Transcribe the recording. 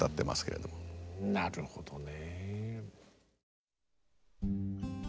なるほどね。